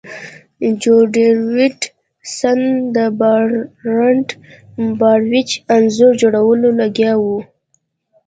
جو ډیویډ سن د برنارډ باروچ انځور جوړولو لګیا و